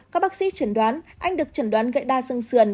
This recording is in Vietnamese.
các bác sĩ chẩn đoán anh được chẩn đoán gậy đa sương sườn